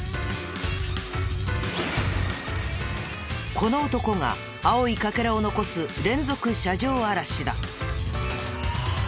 この男が青い欠片を残す連続車上荒らしだ。